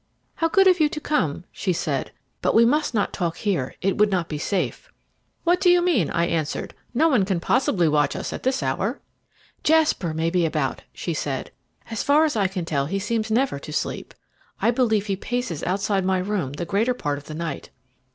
"How good of you to come!" she said. "But we must not talk here; it would not be safe." "What do you mean?" I answered. "No one can possibly watch us at this hour." "Jasper may be about," she said; "as far as I can tell he seems never to sleep. I believe he paces outside my room the greater part of the night."